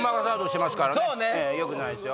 よくないですよ。